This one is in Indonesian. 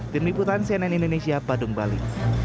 tim liputan cnn indonesia badung bali